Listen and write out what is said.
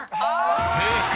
［正解！